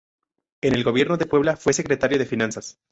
En el gobierno de Puebla fue Secretario de Finanzas.